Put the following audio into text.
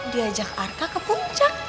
diajak arka ke puncak